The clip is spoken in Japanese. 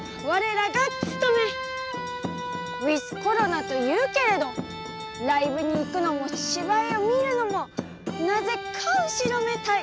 「Ｗｉｔｈコロナ」というけれどライブに行くのも芝居を見るのもなぜか後ろめたい。